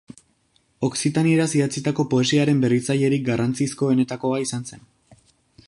Okzitanieraz idatzitako poesiaren berritzailerik garrantzizkoenetakoa izan zen.